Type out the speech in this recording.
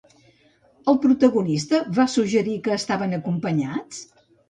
El protagonista va suggerir que estaven acompanyats?